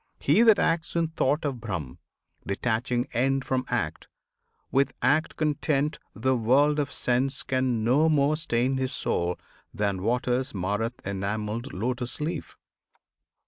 "He that acts in thought of Brahm, Detaching end from act, with act content, The world of sense can no more stain his soul Than waters mar th' enamelled lotus leaf.